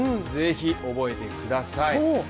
ぜひ、覚えてください。